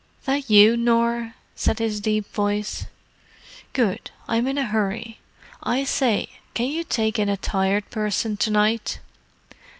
"That you, Nor?" said his deep voice. "Good—I'm in a hurry. I say, can you take in a Tired Person to night?"